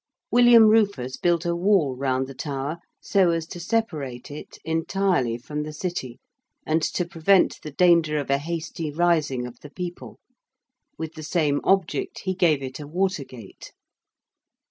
William Rufus built a wall round the Tower so as to separate it entirely from the City and to prevent the danger of a hasty rising of the people: with the same object he gave it a water gate.